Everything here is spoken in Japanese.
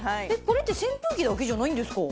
これって扇風機だけじゃないんですか？